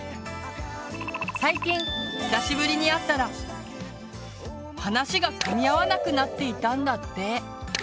最近久しぶりに会ったら話がかみ合わなくなっていたんだって。